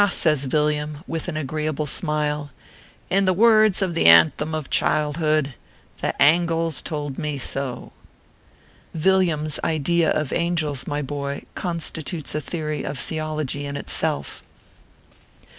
says Villiam, with an agreeable smile, " in the words of the anthem of childhood " The angles told mo so. " Villiam s idea of angels, my boy, constitutes a theory of theology in itself.